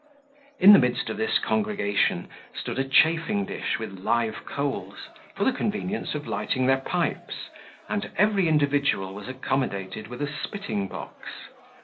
In the midst of this congregation stood a chafing dish with live coals, for the convenience of lighting their pipes, and every individual was accommodated with a spitting box.